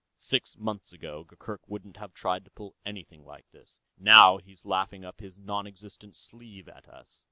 Six months ago, Gurgurk wouldn't have tried to pull anything like this. Now he's laughing up his non existent sleeve at us."